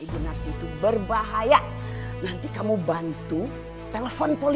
sampai jumpa di video selanjutnya